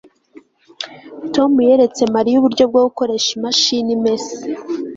tom yeretse mariya uburyo bwo gukoresha imashini imesa